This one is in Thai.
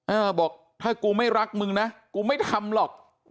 เออบอกถ้ากูไม่รักมึงนะกูไม่ทำหรอก